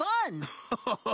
ハハハハ！